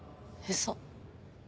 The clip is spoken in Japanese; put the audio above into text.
嘘。